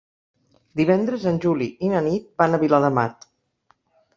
Divendres en Juli i na Nit van a Viladamat.